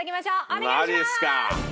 お願いします！